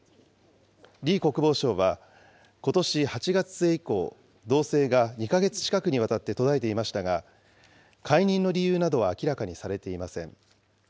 李国防相は、ことし８月末以降、動静が２か月近くにわたって途絶えていましたが、解任の理由などは明らかにされていません。